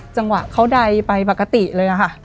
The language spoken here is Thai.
จังหวะเขาใดไปปกติเลยค่ะ